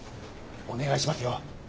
お願いしますよ。